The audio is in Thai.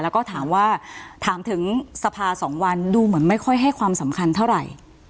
แล้วก็ถามว่าถามถึงสภา๒วันดูเหมือนไม่ค่อยให้ความสำคัญเท่าไหร่